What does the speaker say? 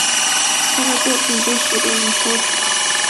她的作品被许多人收藏。